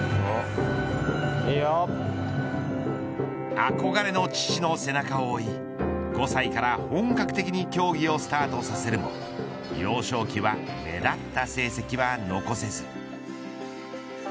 憧れの父の背中を追い５歳から本格的に競技をスタートさせるも幼少期は目立った成績は残せず。